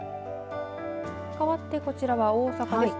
かわってこちらは大阪です。